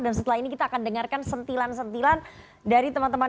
dan setelah ini kita akan dengarkan sebuah pertanyaan yang berbeda